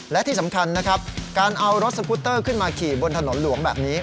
และที่สำคัญนะครับการเอารถสกุตเตอร์ขึ้นมาขี่บนถนนหลวงแบบนี้